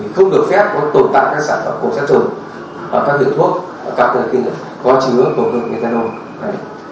không được phép có tồn tại các sản phẩm cồn sắt trùng các hệ thuốc các hệ thống có chứa cồn cồn công nghiệp methanol